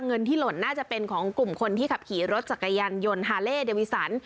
เงินที่หล่นน่าจะเป็นของกลุ่มคนที่ขับขี่รถจักรยานยนต์ฮาเล่เดวิสัน